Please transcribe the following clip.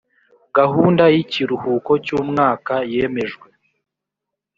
gahunda y ikiruhuko cy umwaka yemejwe